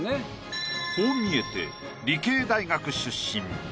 こう見えて理系大学出身。